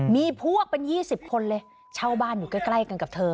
มีพวกเป็น๒๐คนเลยเช่าบ้านอยู่ใกล้กันกับเธอ